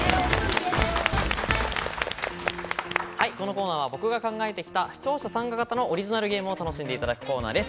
このコーナーは僕が考えてきた視聴者参加型のオリジナルゲームを楽しんでいただくコーナーです。